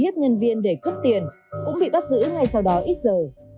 tự nhiên cũng bị bắt giữ ngay sau đó ít giờ